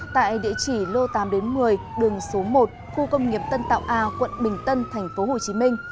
tại địa chỉ lô tám một mươi đường số một khu công nghiệp tân tạo a quận bình tân tp hcm